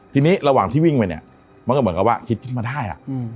ทีนี้ระหว่างที่วิ่งไปเนี่ยมันก็เหมือนกับว่าคิดขึ้นมาได้